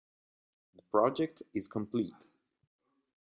The project is complete.